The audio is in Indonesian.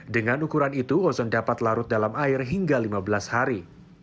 dengan ukuran itu ozon dapat larut dalam air hingga lima belas hari